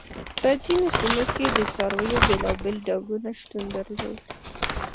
په ځینو سیمو کې د څارویو بېلابېل ډولونه شتون درلود.